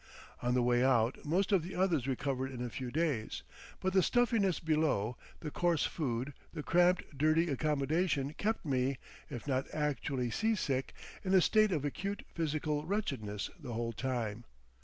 On the way out most of the others recovered in a few days, but the stuffiness below, the coarse food, the cramped dirty accommodation kept me, if not actually sea sick, in a state of acute physical wretchedness the whole time.